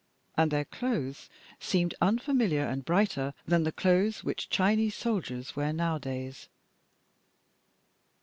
And their clothes seemed unfamiliar and brighter than the clothes which Chinese soldiers wear nowadays.